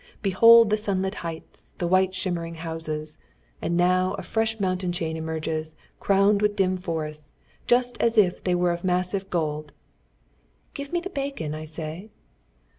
Behold the sunlit heights, the white shimmering houses. And now a fresh mountain chain emerges crowned with dim forests. Just as if they were of massive gold...." "Give me the bacon, I say."